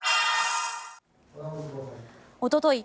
おととい